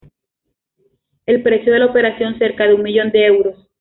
El precio de la operación, cerca de un millón de euros.